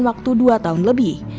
waktu dua tahun lebih